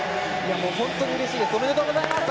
本当にうれしいです。